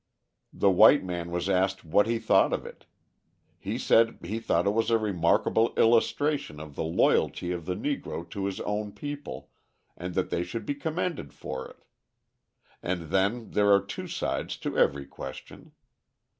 The white man was asked what he thought of it. He said he thought it was a remarkable illustration of the loyalty of the Negro to his own people and that they should be commended for it. And then there are two sides to every question.